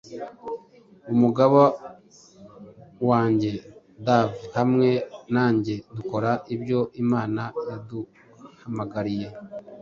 Umugabo wanjye Dave hamwe nanjye dukora ibyo Imana yaduhamagariye